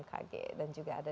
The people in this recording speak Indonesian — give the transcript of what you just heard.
ekspedisi indonesia prima